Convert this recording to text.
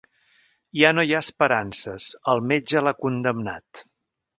Ja no hi ha esperances: el metge l'ha condemnat.